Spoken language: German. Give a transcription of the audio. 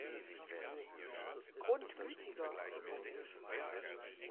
Grundgütiger!